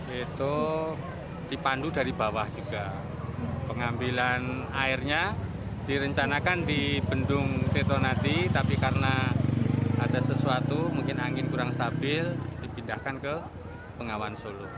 yang terakhir adalah pengambilan airnya di bandung tetonati tapi karena ada sesuatu mungkin angin kurang stabil dipindahkan ke pengawan solo